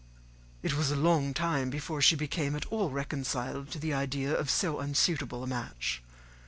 It was a long time before she became at all reconciled to the idea of so unsuitable a match.